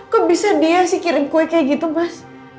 kok bisa dia sih kirim kue kayak gitu mas